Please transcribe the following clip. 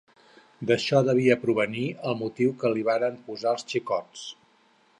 D'això devia provenir el motiu que li varen posar els xicots.